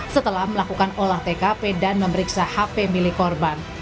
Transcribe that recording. setelah melakukan olah tkp dan memeriksa hp milik korban